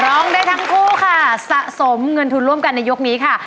ร้องได้ทั้งคู่ค่ะสะสมเงินทุนร่วมกันในยกนี้ค่ะ